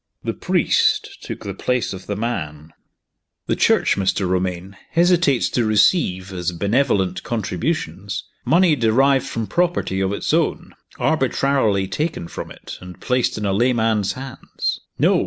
The priest took the place of the man. "The Church, Mr. Romayne, hesitates to receive, as benevolent contributions, money derived from property of its own, arbitrarily taken from it, and placed in a layman's hands. No!"